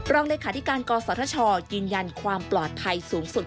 รองเลขาธิการกศธชยืนยันความปลอดภัยสูงสุด